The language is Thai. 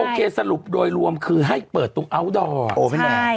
โอเคสรุปโดยรวมคือให้เปิดตรงอัลดอร์